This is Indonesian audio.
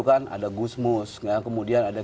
ada gusmus kemudian ada